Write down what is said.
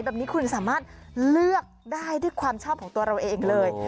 แบบนี้คุณสามารถเลือกได้ด้วยความชอบของตัวเราเองเลย